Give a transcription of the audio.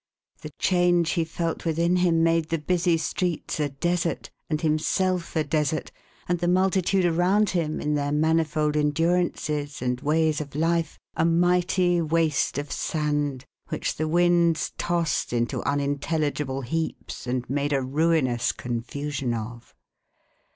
The change he felt within him made the busy streets a desert, and himself a desert, and the multitude around him, in their manifold endurances and ways of life, a mighty waste of sand, which the winds tossed into unintelligible heaps and made a ruinous confusion of.